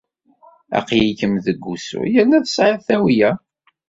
Aql-ikem deg wusu yerna tesɛiḍ tawla.